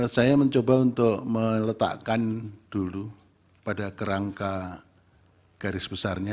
saya mencoba untuk meletakkan dulu pada kerangka garis besarnya